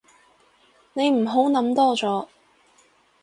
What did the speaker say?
你唔好諗多咗